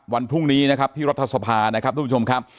วันพรุ่งนี้นะครับที่รัฐสภานะครับทุกผู้ชมครับ